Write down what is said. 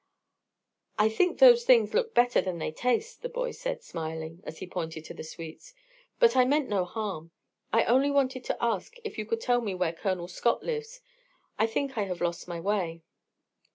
"I think those things look better than they taste," the boy said, smiling, as he pointed to the sweets; "but I meant no harm. I only wanted to ask if you could tell me where Colonel Scott lives. I think I have lost my way."